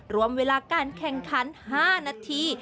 รวมเวลาการแข่งขัน๕นาที